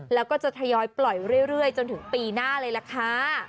แล้วก็จะทยอยปล่อยเรื่อยจนถึงปีหน้าเลยล่ะค่ะ